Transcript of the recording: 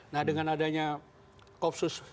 nah dengan adanya kopsus